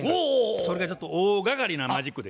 それでちょっと大がかりなマジックで。